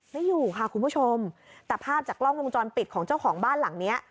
ไม่อยู่ค่ะคุณผู้ชมแต่ภาพจากกล้องวงจรปิดของเจ้าของบ้านหลังเนี้ย